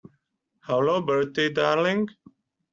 Hullo, Bertie, darling.